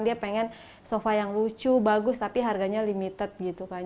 dia pengen sofa yang lucu bagus tapi harganya limited gitu kan